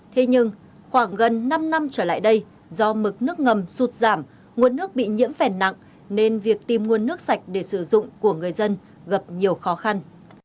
thế nhưng khoảng gần năm năm trở lại đây do mực nước ngầm sụt giảm nguồn nước bị nhiễm phèn nặng nên việc tìm nguồn nước sạch để sử dụng của người dân gặp nhiều khó khăn